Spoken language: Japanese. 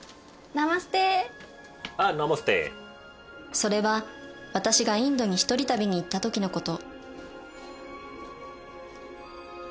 それは私がインドに一人旅に行った時のこと